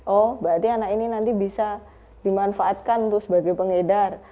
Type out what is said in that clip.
oh berarti anak ini nanti bisa dimanfaatkan untuk sebagai pengedar